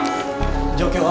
状況は？